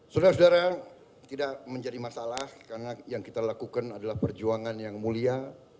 saudara saudara tidak menjadi masalah karena yang kita lakukan adalah perjuangan yang mulia